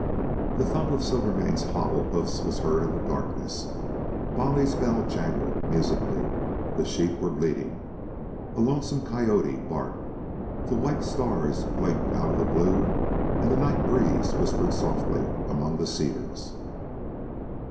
The thump of Silvermane's hobbled hoofs was heard in the darkness; Bolly's bell jangled musically. The sheep were bleating. A lonesome coyote barked. The white stars blinked out of the blue and the night breeze whispered softly among the cedars.